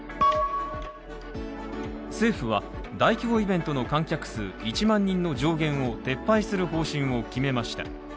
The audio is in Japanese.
政府は大規模イベントの観客数１万人の上限を撤廃する方針を決めました。